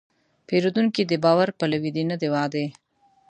پیرودونکی د باور پلوي دی، نه د وعدې.